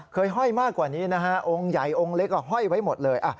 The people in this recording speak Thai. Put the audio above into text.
ห้อยมากกว่านี้นะฮะองค์ใหญ่องค์เล็กห้อยไว้หมดเลย